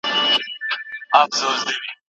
شرمنده دي مشران وي ستا كردار ته